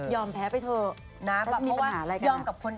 ยอมแพ้ไปเถอะแล้วมีปัญหาอะไรกัน